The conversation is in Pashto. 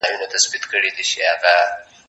زه اوس کتابتوننۍ سره وخت تېرووم!.